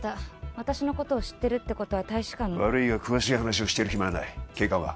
私のことを知ってるってことは大使館の悪いが詳しい話をしてる暇はない警官は？